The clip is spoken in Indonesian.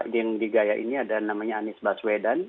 di yang di gaya ini ada namanya anies baswedan